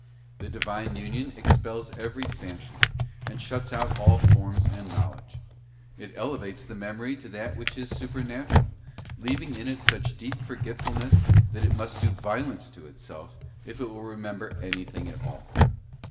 The Divine union expels every fancy, and shuts out all forms and knowledge; it elevates the Memory to that which is super natural, leaving it in such deep forgetfulness that it must do violence to itself, if it will remember anything at all.